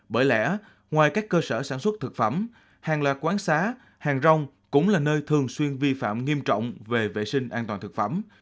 bởi lẽ ngoài các cơ sở sản xuất thực phẩm hàng loạt quán xá hàng rong cũng là nơi thường xuyên vi phạm nghiêm trọng về vệ sinh an toàn thực phẩm